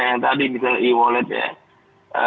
yang tadi misalnya e wallet ya